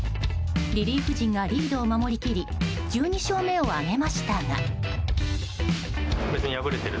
リリーフ陣がリードを守り切り１２勝目を挙げましたが。